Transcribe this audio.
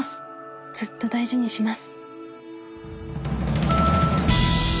ずっと大事にします。